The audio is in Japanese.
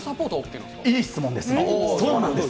いい質問です。